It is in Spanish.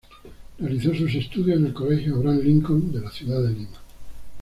Realizó sus estudios en el Colegio Abraham Lincoln de la ciudad de Lima.